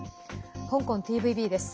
香港ＴＶＢです。